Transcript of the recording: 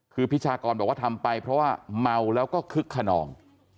คือพิชากรบอกว่าทำไปเพราะว่าเมาแล้วก็คึกขนอง